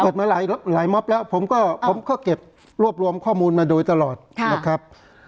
มาหลายม็อบแล้วผมก็เก็บรวบรวมข้อมูลมาโดยตลอดนะครับ